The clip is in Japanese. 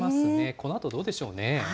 このあとどうでしょうね。